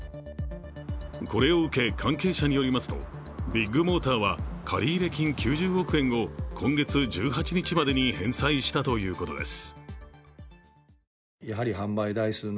これを受け、関係者によりますと、ビッグモーターは借入金９０億円を今月１８日までに返済したということです。